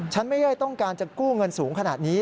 ฉันไม่ได้ต้องการจะกู้เงินสูงขนาดนี้